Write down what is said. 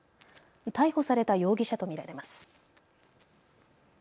逮捕された容疑者と見られます。